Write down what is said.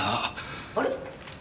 あれ？